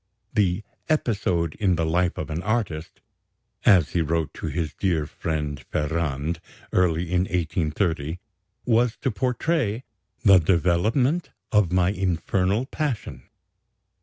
The "Episode in the Life of an Artist," as he wrote to his dear friend Ferrand early in 1830, was to portray "the development of my infernal passion."